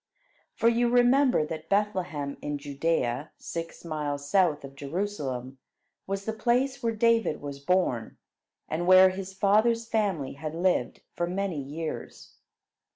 For you remember that Bethlehem in Judea, six miles south of Jerusalem, was the place where David was born, and where his father's family had lived for many years.